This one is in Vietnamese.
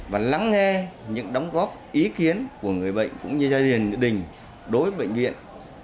và lắng nghe những đóng góp ý kiến của người bệnh cũng như gia đình đối với bệnh viện